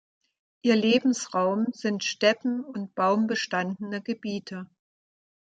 Ihr Lebensraum sind Steppen und baumbestandene Gebiete.